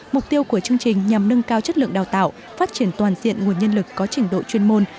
mục tiêu của chương trình nhằm nâng cao chất lượng đào tạo phát triển toàn diện nguồn nhân lực có trình độ chuyên môn